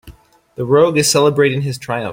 The rogue is celebrating his triumph.